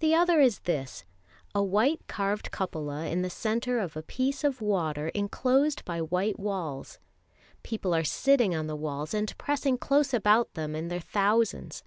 The other this: a white carved cupola in the centre of a piece of water enclosed by white walls. People are sitting on the walls and pressing close about them in their thousands.